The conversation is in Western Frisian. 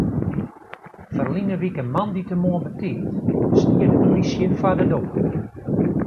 Ferline wike moandeitemoarn betiid stie de plysje foar de doar.